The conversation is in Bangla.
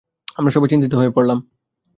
আমরা সবাই চিন্তিত হয়ে পড়লাম।